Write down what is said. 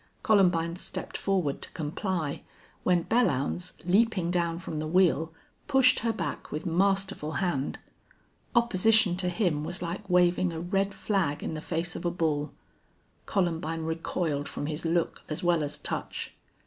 Columbine stepped forward to comply, when Belllounds, leaping down from the wheel, pushed her hack with masterful hand. Opposition to him was like waving a red flag in the face of a bull. Columbine recoiled from his look as well as touch.